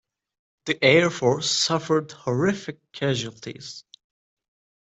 The air force suffered horrific casualties.